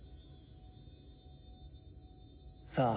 さあ